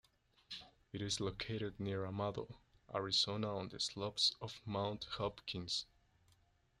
It is located near Amado, Arizona on the slopes of Mount Hopkins.